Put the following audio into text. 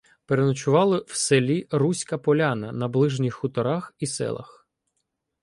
Переночували в селі Руська Поляна, на ближніх хуторах і селах.